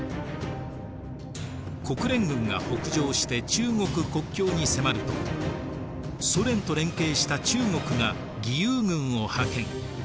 国連軍が北上して中国国境に迫るとソ連と連携した中国が義勇軍を派遣。